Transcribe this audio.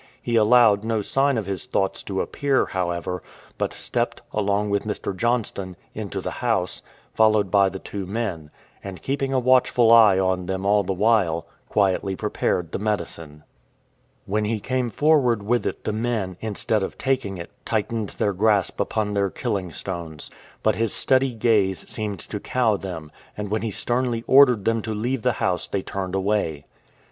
He allowed no sign of his thoughts to appear, however, but stepped, along with Mr. Johnston, into the house, followed by the two men ; and, keeping a watchful eye on them all the while, quietly prepared the medicine. 326 Dr. Paton's Life saved by his Faithful Dogs FOILED BY A RETRIEVER When he came forward with it the men, instead of taking it, tightened their grasp upon their killing stones. But his steady gaze seemed to cow them, and when he sternly ordered them to leave the house they turned away.